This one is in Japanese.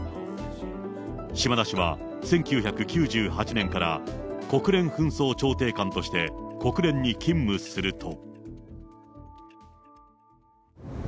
島田氏は１９９８年から国連紛争調停官として国連に勤務すると。